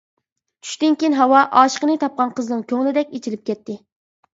چۈشتىن كېيىن ھاۋا ئاشىقىنى تاپقان قىزنىڭ كۆڭلىدەك ئېچىلىپ كەتتى.